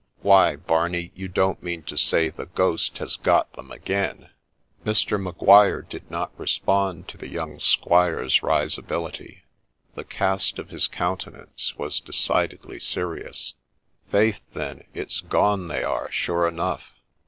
' Why, Barney, you don't mean to say the ghost has got them again ?' 20 THE SPECTRE Mr. Maguire did not respond to the young squire's risibility ; the cast of his countenance was decidedly serious. ' Faith, then, it 's gone they are, sure enough